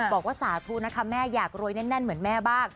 สาธุนะคะแม่อยากรวยแน่นเหมือนแม่บ้าง